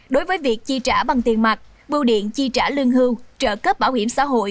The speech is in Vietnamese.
đối với việc chi trả bằng tiền mặt bưu điện chi trả lương hưu trợ cấp bảo hiểm xã hội